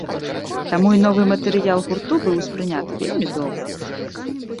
Таму і новы матэрыял гурту быў успрыняты вельмі добра.